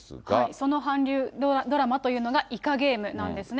その韓流ドラマというのが、イカゲームなんですね。